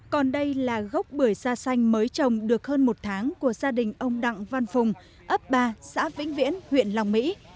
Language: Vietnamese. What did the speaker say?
còn đây là gốc bưởi da xanh mới trồng được hơn một tháng của gia đình ông đặng văn phùng ấp ba xã vĩnh viễn huyện long mỹ